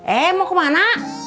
eh mau kemana